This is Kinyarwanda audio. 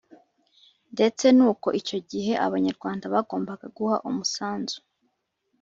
ndetse n’uko icyo gihe Abanyarwanda bagombaga guha umusanzu